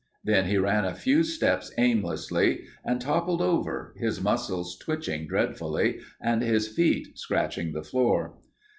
Then he ran a few steps aimlessly and toppled over, his muscles twitching dreadfully and his feet scratching the floor.